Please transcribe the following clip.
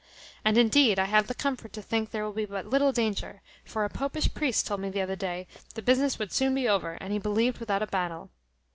And, indeed, I have the comfort to think there will be but little danger; for a popish priest told me the other day the business would soon be over, and he believed without a battle."